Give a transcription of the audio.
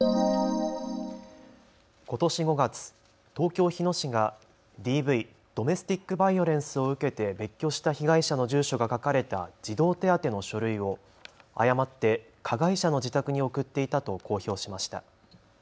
ことし５月、東京日野市がＤＶ・ドメスティックバイオレンスを受けて別居した被害者の住所が書かれた児童手当の書類を誤って加害者の自宅に送っていたと公表しました。